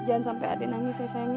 jangan sampai adik nangis ya sayangnya